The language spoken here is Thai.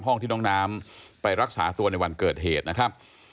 ห้องที่น้องน้ำไปรักษาตัวในวันเกิดเหตุนะครับ